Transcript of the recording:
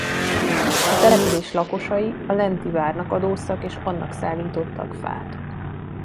A település lakosai a lenti várnak adóztak és annak szállítottak fát.